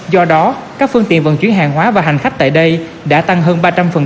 do đó các phương tiện vận chuyển hàng hóa và hành khách tại đây đã tăng hơn ba trăm linh